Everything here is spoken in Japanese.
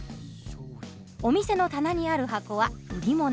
お店の棚にある箱は売り物。